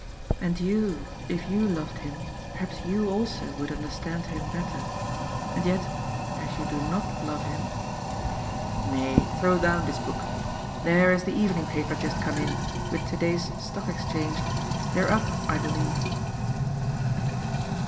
And you, if you loved him, perhaps you also would understand him better. And yet, as you do not love him Ifay, throw down this book. There is the evening paper just come in, with to day's stock exchange. They're up, I believe.